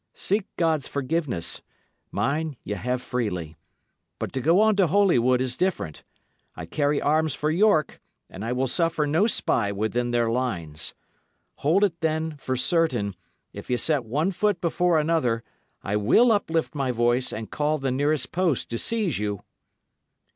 Seek God's forgiveness; mine ye have freely. But to go on to Holywood is different. I carry arms for York, and I will suffer no spy within their lines. Hold it, then, for certain, if ye set one foot before another, I will uplift my voice and call the nearest post to seize you."